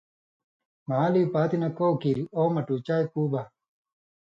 مھالی پاتیۡ نہ کؤ کیریۡ ”او مٹُو چائ پُو بہ“۔